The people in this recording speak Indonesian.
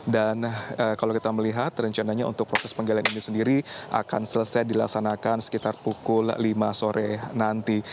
dan kalau kita melihat rencananya untuk proses penggalian ini sendiri akan selesai dilaksanakan sekitar pukul lima sore nanti